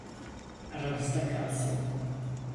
Aramızda kalsın.